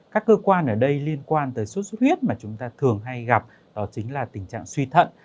các cơ quan ở đây liên quan tới sốt xuất huyết mà chúng ta thường hay gặp đó chính là tình trạng suy thận